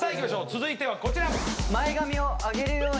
続いてはこちら。